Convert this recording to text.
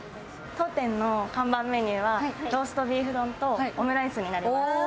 当店の看板メニューはローストビーフ丼とオムライスになります。